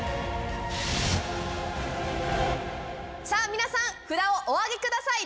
皆さん札をお挙げください！